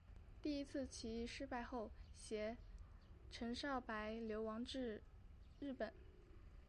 第一次起义失败后偕陈少白流亡至日本。